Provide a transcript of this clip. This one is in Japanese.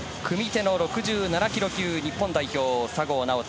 組手の６７ｋｇ級日本代表、佐合尚人。